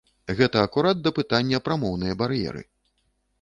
Гэта акурат да пытання пра моўныя бар'еры.